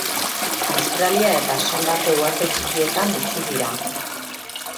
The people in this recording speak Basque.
Australia eta Sondako Uharte Txikietan bizi dira.